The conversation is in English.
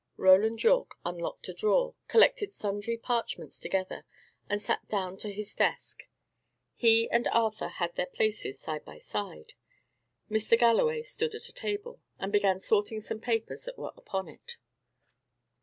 Roland Yorke unlocked a drawer, collected sundry parchments together, and sat down to his desk. He and Arthur had their places side by side. Mr. Galloway stood at a table, and began sorting some papers that were upon it.